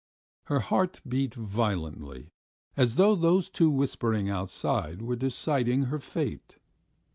... Her heart beat violently as though those two whispering outside were deciding her fate.